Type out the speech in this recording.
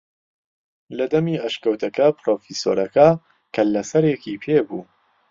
لە دەمی ئەشکەوتەکە پرۆفیسۆرەکە کەللەسەرێکی پێ بوو